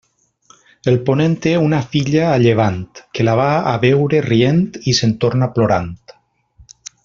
El ponent té una filla a llevant, que la va a veure rient i se'n torna plorant.